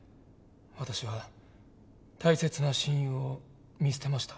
私は大切な親友を見捨てました。